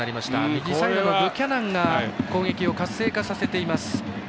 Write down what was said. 右サイドのブキャナンが攻撃を活性化させています。